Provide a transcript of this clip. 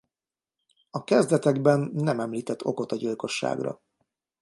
A kezdetekben nem említett okot a gyilkosságra.